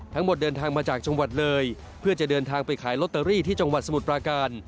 เดินทางมาจากจังหวัดเลยเพื่อจะเดินทางไปขายลอตเตอรี่ที่จังหวัดสมุทรปราการ